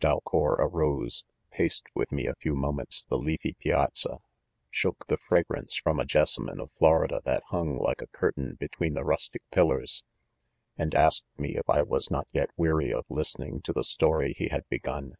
3 Dalcour arose, paced with me a few mo ' rnents the leafy piazza, shook, the fi a.grr.pce from a jessamine of Florida that hung like a curtain, between the rustic Tiilbmk and asked THE CONCESSIONS. ms if I was not yet weary of listening to the story he had begun.